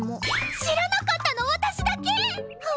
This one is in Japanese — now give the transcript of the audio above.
知らなかったの私だけ！？は